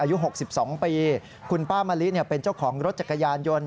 อายุ๖๒ปีคุณป้ามะลิเป็นเจ้าของรถจักรยานยนต์